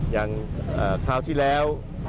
อย่างคราวที่แล้ว